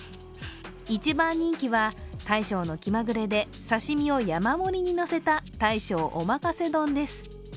一番人気は大将の気まぐれで刺身を山盛りに乗せた大将おまかせ丼です。